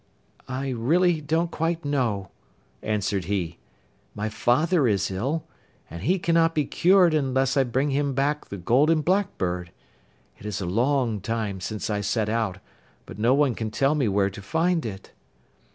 'I really don't quite know,' answered he. 'My father is ill, and he cannot be cured unless I bring him back the Golden Blackbird. It is a long time since I set out, but no one can tell me where to find it.